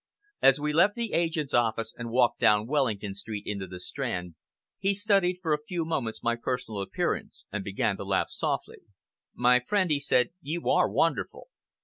As we left the agent's office and walked down Wellington Street into the Strand, he studied for a few moments my personal appearance, and began to laugh softly. "My friend," he said, "you are wonderful!